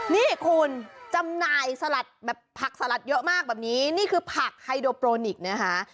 นี่คุณจำหน่ายสลัดแบบผักสลัดเยอะมากแบบนี้นี่คือผักไฮโดโปรนิกนะคะ